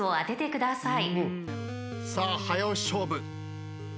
さあ早押し勝負。